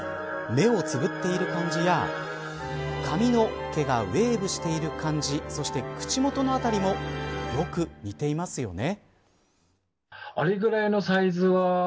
目をつぶっている感じや髪の毛がウェーブしている感じそして口元の辺りもよく似ていますよね。